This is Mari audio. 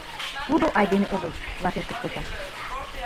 — Тудо айдеме огыл, — вашештыш коча.